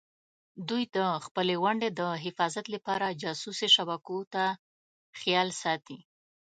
دوی د خپلې ونډې د حفاظت لپاره جاسوسي شبکو ته خیال ساتي.